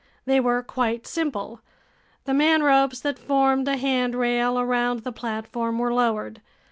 They were quite simple. The manropes that formed a handrail around the platform were lowered.